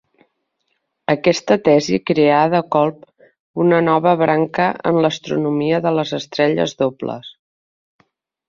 Aquesta tesi creà de colp una nova branca en l'astronomia de les estrelles dobles.